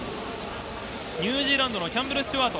ニュージーランドのキャンベル・スチュワート。